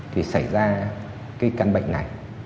thì xảy ra cái căn bệnh này